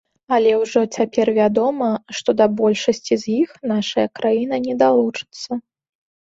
Але ўжо цяпер вядома, што да большасці з іх нашая краіна не далучыцца.